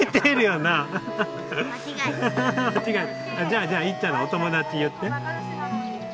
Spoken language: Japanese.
じゃあじゃあいっちゃんのお友達言って？